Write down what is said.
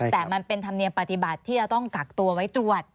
แต่มันเป็นธรรมเนียมปฏิบัติที่จะต้องกักตัวไว้ตรวจ